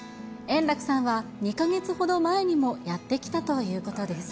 円楽さんは２か月ほど前にもやって来たということです。